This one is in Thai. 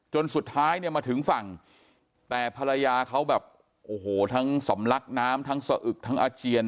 จนสุดท้ายเนี่ยมาถึงฝั่งแต่ภรรยาเขาแบบโอ้โหทั้งสำลักน้ำทั้งสะอึกทั้งอาเจียน